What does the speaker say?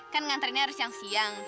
kan nganterinnya harus siang siang